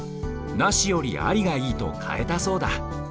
なしよりありがいいとかえたそうだ。